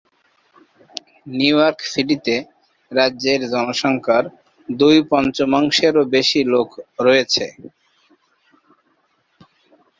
New York সিটিতে রাজ্যের জনসংখ্যার দুই-পঞ্চমাংশেরও বেশি লোক রয়েছে।